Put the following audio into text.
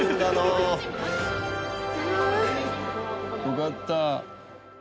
よかった。